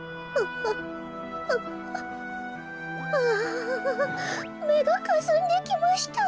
あめがかすんできました。